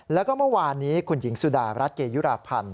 แล้วก็เมื่อวานนี้คุณหญิงสุดารัฐเกยุราพันธ์